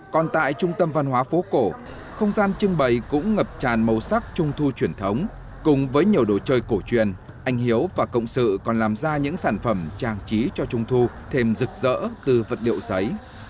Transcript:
còn tại trung tâm văn hóa phố cổ không gian trưng bày cũng ngập tràn màu sắc trung thu truyền thống cùng với nhiều đồ chơi cổ truyền anh hiếu và cộng sự còn làm ra những sản phẩm trang trí cho trung thu thêm rực rỡ từ vật liệu giấy